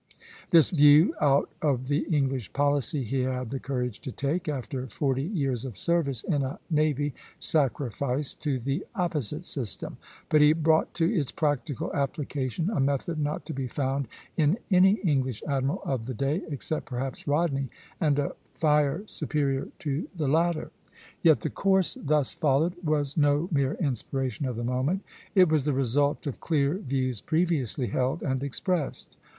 This view out of the English policy he had the courage to take, after forty years of service in a navy sacrificed to the opposite system; but he brought to its practical application a method not to be found in any English admiral of the day, except perhaps Rodney, and a fire superior to the latter. Yet the course thus followed was no mere inspiration of the moment; it was the result of clear views previously held and expressed.